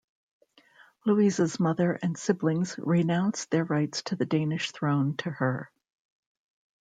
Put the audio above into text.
Louise's mother and siblings renounced their rights to the Danish throne to her.